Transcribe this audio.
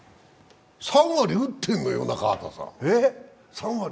３割打ってるのよ、中畑さん。